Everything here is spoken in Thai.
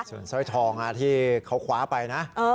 ส่วนสร้อยทองที่เขาคว้าไปนะ